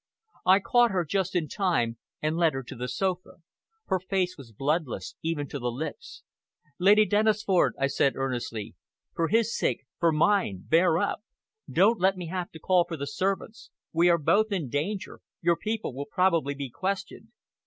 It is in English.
I caught her just in time, and led her to the sofa. Her face was bloodless, even to the lips. "Lady Dennisford," I said earnestly, "for his sake, for mine, bear up. Don't let me have to call for the servants. We are both in danger. Your people will probably be questioned."